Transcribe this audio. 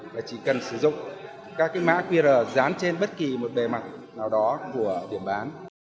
và chỉ cần sử dụng các cái mã qr dán trên bất kỳ một bề mặt nào đó của điểm bán